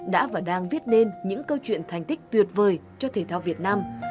đã và đang viết nên những câu chuyện thành tích tuyệt vời cho thể thao việt nam